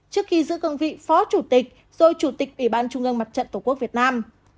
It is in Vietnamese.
trước khi giữ cương vị phó chủ tịch rồi chủ tịch ủy ban trung ương mặt trận tổ quốc việt nam